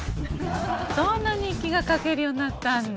そんな日記が書けるようになったんだ。